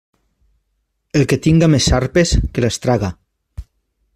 El qui tinga més sarpes, que les traga.